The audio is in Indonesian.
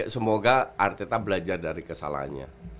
semoga arteta belajar dari kesalahannya